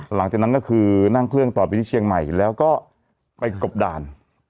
หลังจากนั้นก็คือนั่งเครื่องต่อไปที่เชียงใหม่แล้วก็ไปกบด่าน